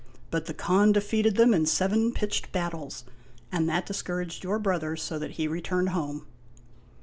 But the Khan defeated them in seven pitched battles, and that discouraged your brother so that he returned home."